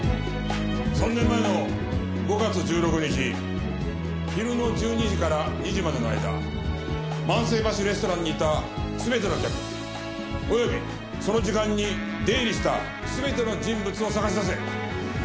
３年前の５月１６日昼の１２時から２時までの間万世橋レストランにいた全ての客及びその時間に出入りした全ての人物を捜し出せ。